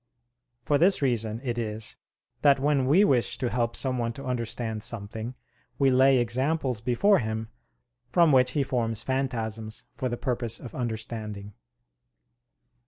For this reason it is that when we wish to help someone to understand something, we lay examples before him, from which he forms phantasms for the purpose of understanding.